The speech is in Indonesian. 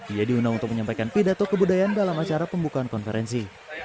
ia diundang untuk menyampaikan pidato kebudayaan dalam acara pembukaan konferensi